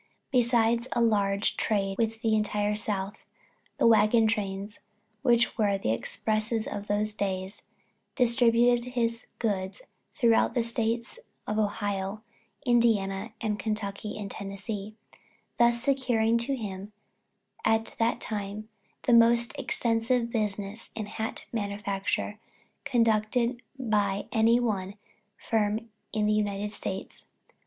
Besides a large trade with the entire South, the wagon trains, which were the expresses of those days, distributed his goods throughout the States of Ohio, Indiana, Kentucky and Tennessee, thus securing to him at that time the most extensive business in hat manufacture conducted by any one firm in the United States.